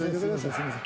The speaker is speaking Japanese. すいません。